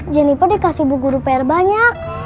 jeniper dikasih bu guru pr banyak